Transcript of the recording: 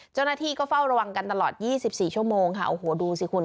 เจ้าหน้าที่ก็เฝ้าระวังกันตลอด๒๔ชั่วโมงค่ะโอ้โหดูสิคุณ